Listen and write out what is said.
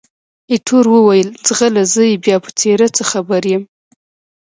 ایټور وویل، ځغله! زه یې بیا په څېرې څه خبر یم؟